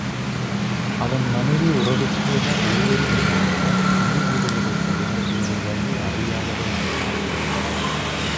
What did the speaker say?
அவன் மனைவி உறவுக்கு என ஒருவரும் இல்லாமையால் உயிர் விடுவதைத் தவிர வேறு வழி அறியாதவள் ஆயினாள்.